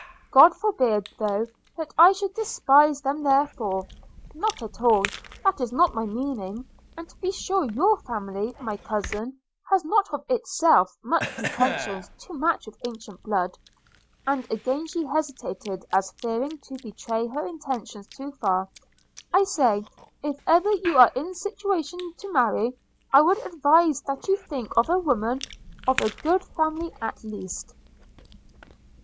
God forbid, though, that I should despise them therefore! not at all; that is not my meaning – And to be sure your family, my cousin, has not of itself much pretensions to match with ancient blood – (and again she hesitated as fearing to betray her intentions too far) – I say, if ever you are in a situation to marry, I would advise that you think of a woman of a good family at least.'